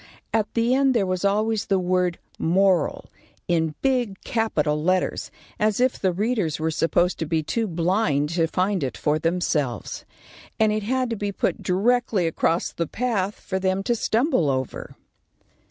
At the end there was always the word MORAL, in big capital letters, as if the readers were supposed to be too blind to find it for themselves, and it had to be put directly across the path for them to stumble over.